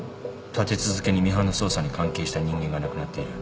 立て続けにミハンの捜査に関係した人間が亡くなっている。